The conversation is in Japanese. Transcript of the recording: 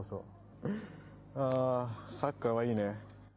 サッカーはいいね。